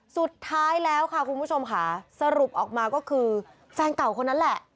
สุดท้ายแล้วค่ะคุณผู้ชมค่ะสรุปออกมาก็คือแฟนเก่าคนนั้นแหละ